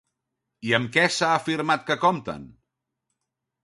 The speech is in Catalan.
I amb què s'ha afirmat que compten?